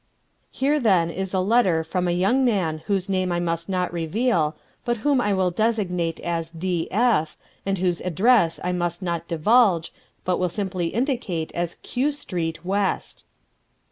Here then is a letter from a young man whose name I must not reveal, but whom I will designate as D. F., and whose address I must not divulge, but will simply indicate as Q. Street, West.